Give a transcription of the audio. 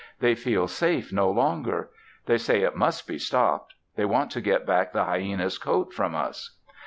They feel safe no longer. They say it must be stopped. They want to get back the hyena's coat from us."